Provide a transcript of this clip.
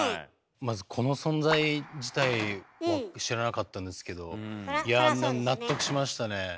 まずこの存在自体を知らなかったんですけどいや納得しましたね。